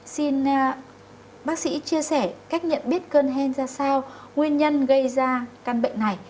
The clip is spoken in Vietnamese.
xin bác sĩ chia sẻ cách nhận biết cơn hen ra sao nguyên nhân gây ra căn bệnh này